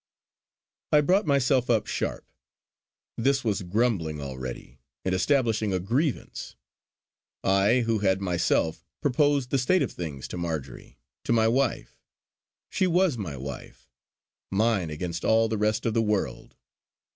I brought myself up sharp. This was grumbling already, and establishing a grievance. I, who had myself proposed the state of things to Marjory, to my wife. She was my wife; mine against all the rest of the world.